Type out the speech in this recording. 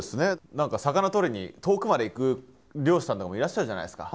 何か魚とりに遠くまで行く漁師さんとかもいらっしゃるじゃないですか。